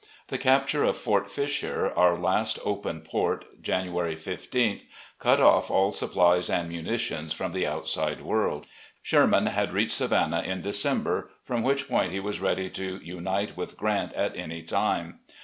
The capture of Fort Fisher, our last open port, January 15th, cut off all supplies and munitions from the outside world. Sherman had reached Savannah in December, from which point he was ready to unite with Grant at any time.